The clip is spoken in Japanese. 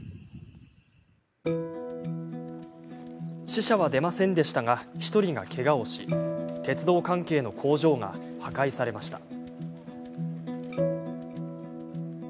死者は出ませんでしたが１人が、けがをし鉄道関係の工場が破壊されました。